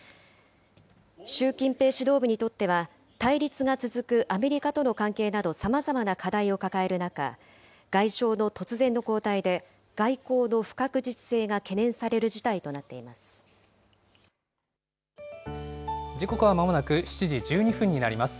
習近平指導部にとっては、対立が続くアメリカとの関係などさまざまな課題を抱える中、外相の突然の交代で、外交の不確実性が懸念される事態となってい時刻はまもなく７時１２分になります。